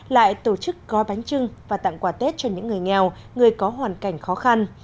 lại tổ chức gói bánh trưng và tặng quà tết cho những người nghèo người có hoàn cảnh khó khăn